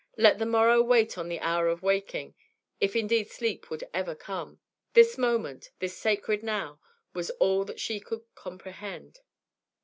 Let the morrow wait on the hour of waking, if indeed sleep would ever come; this moment, the sacred now, was all that she could comprehend.